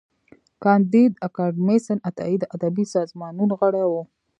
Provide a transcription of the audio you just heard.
کانديد اکاډميسن عطايي د ادبي سازمانونو غړی و.